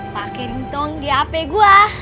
pakirin dong di hp gue